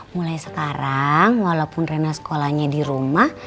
mulai sekarang walaupun rena sekolahnya di rumah